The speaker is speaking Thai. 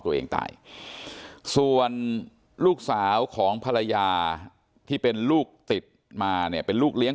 ตัวเองตายส่วนลูกสาวของภรรยาที่เป็นลูกติดมาเนี่ยเป็นลูกเลี้ยง